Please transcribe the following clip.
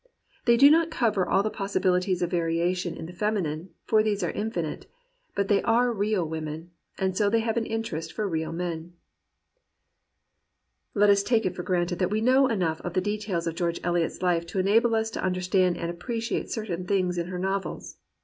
They do not cover all the possibilities of variation in the feminine, for these are infinite, but they are real women, and so they have an interest for real men. Let us take it for granted that we know enough of the details of Greorge Eliot*s life to enable us to understand and appreciate certain things in her novels.